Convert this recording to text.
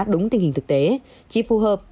đúng tình hình thực tế chỉ phù hợp